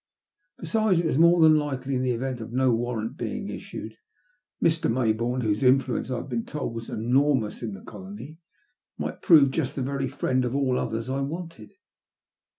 Besides, it was more than likely, in the event of no warrant having been issued, LIr. Majboume, whose influence, I had been told, was enormous in the colony, might prove just the very friend of all others I wanted.